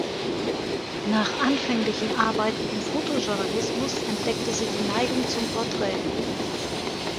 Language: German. Nach anfänglichen Arbeiten im Fotojournalismus entdeckte sie die Neigung zum Porträt.